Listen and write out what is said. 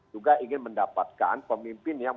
juga ingin mendapatkan pemimpin yang